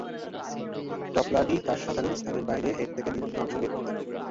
Toplady তার সাধারণ-স্থানের বইয়ে এর থেকে বিভিন্ন অংশ বের করতেন।